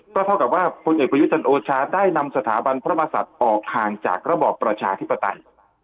ก็เท่ากับว่าพลเอกประยุทธ์จันทร์โอชาได้นำสถาบันพระมศัตริย์ออกห่างจากระบอบประชาธิปไตย